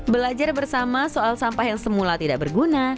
belajar bersama soal sampah yang semula tidak berguna